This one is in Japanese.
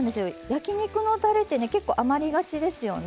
焼き肉のたれってね結構余りがちですよね。